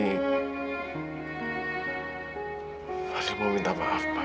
kak fadil mau minta maaf pak